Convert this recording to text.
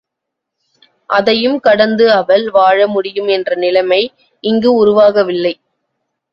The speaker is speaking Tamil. அதையும் கடந்து அவள் வாழ முடியும் என்ற நிலைமை இங்கு உருவாகவில்லை.